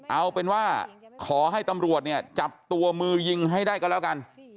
เอาเป็นว่าขอให้ตำรวจเนี่ยจับตัวมือยิงให้ได้ก็แล้วกัน